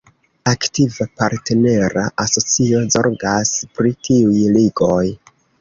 Aktiva partnera asocio zorgas pri tiuj ligoj.